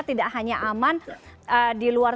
tidak hanya aman di luar